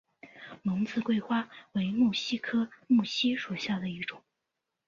蒙自桂花为木犀科木犀属下的一个种。